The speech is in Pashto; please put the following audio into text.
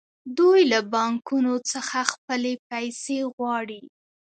دوی له بانکونو څخه خپلې پیسې غواړي